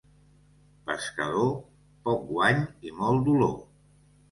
Pescador, poc guany i molt dolor.